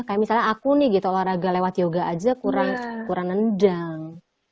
kayak misalnya aku nih gitu olahraga lewat yoga aja kurang nendang